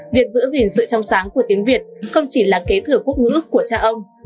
việc giữ gìn sự trong sáng của tiếng việt không chỉ là kế thừa quốc ngữ của cha ông